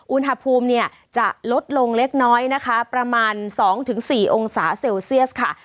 อุณหภูมิเนี่ยจะลดลงเล็กน้อยนะคะประมาณ๒๔องศาเซลเซียสค่ะ